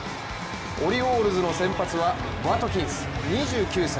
オリオールズの先発はワトキンス、２９歳。